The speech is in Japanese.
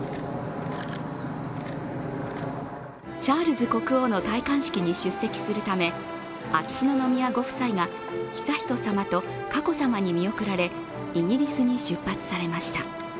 チャールズ国王の戴冠式に出席するため秋篠宮ご夫妻が悠仁さまと佳子さまに見送られイギリスに出発されました。